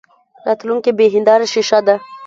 راتلونکې بې هیندارې شیشه ده.